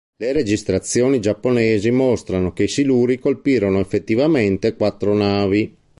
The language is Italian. Le registrazioni giapponesi mostrano che i siluri colpirono effettivamente quattro navi.